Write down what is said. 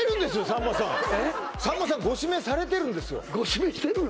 さんまさんご指名されてるんですよご指名してるの？